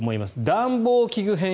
暖房器具編。